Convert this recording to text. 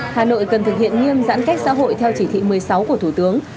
hà nội cần thực hiện nghiêm giãn cách xã hội theo chỉ thị một mươi sáu của thủ tướng